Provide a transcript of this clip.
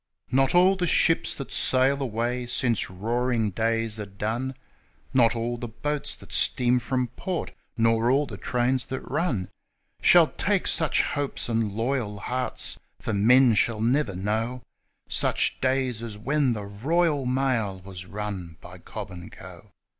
Not all the ships that sail away since Roaring Days are done Not all the boats that steam from port, nor all the trains that run, Shall take such hopes and loyal hearts for men shall never know Such days as when the Royal Mail was run by Cobb and Co.